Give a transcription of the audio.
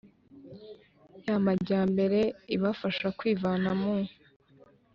y amajyambere ibafasha kwivana mu